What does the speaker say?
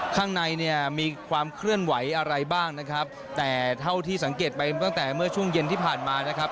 ข้างในเนี่ยมีความเคลื่อนไหวอะไรบ้างนะครับแต่เท่าที่สังเกตไปตั้งแต่เมื่อช่วงเย็นที่ผ่านมานะครับ